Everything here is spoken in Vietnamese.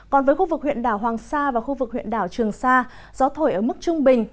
còn với khu vực huyện đảo hoàng sa và khu vực huyện đảo trường sa gió thổi ở mức trung bình